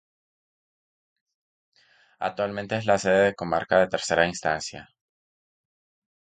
Actualmente es la sede de Comarca de tercera instancia.